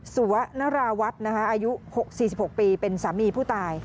สุวะนาราวัตต์นะครับอายุ๔๖ปีเป็นสามีผู้ตาย